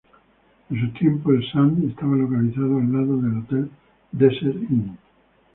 En sus tiempos, el Sands estaba localizado al lado del hotel Desert Inn.